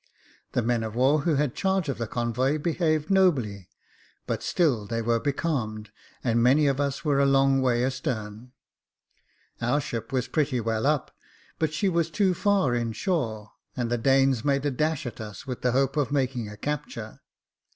The men of war who had charge of the convoy behaved nobly ; but still they were becalmed, and many of us were a long way astern. Our ship was pretty well up , but she was too far in shore ; and the Danes made a dash at us with the hope of making a capture.